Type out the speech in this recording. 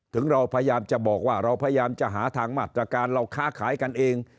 ถึงเราพยายามจะบอกว่าเราพยายามจะหาทางมาตรการเราค้าขายกันเอง